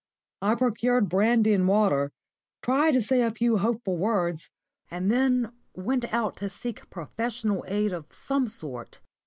I procured brandy and water, tried to say a few hopeful words, and then went out to seek professional aid of some sort.